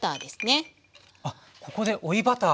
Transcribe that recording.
あっここで追いバター。